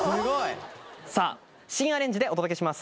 さぁ新アレンジでお届けします。